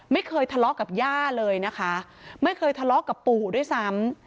ไม่เคยทะเลาะกับย่าเลยนะคะไม่เคยทะเลาะกับปู่ด้วยซ้ำ